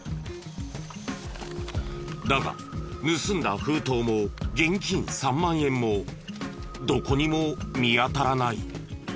だが盗んだ封筒も現金３万円もどこにも見当たらない。